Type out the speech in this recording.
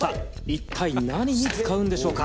一体何に使うんでしょうか？